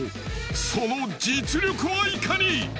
その実力は如何に！